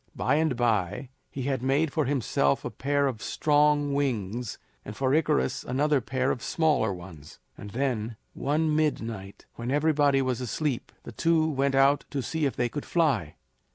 By and by he had made for himself a pair of strong wings, and for Icarus another pair of smaller ones; and then, one midnight, when everybody was asleep, the two went out to see if they could fly.